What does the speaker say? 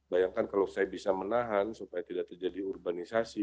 bayangkan kalau saya bisa menahan supaya tidak terjadi urbanisasi